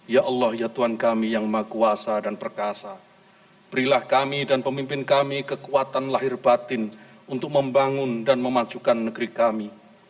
ya allah ya tuhan kami yang maha kuasa dan perkasa berilah kami dan pemimpin kami kekuatan lahir batin untuk membangun dan memajukan negeri kami